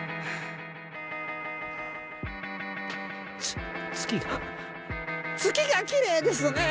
つ月が月がきれいですね。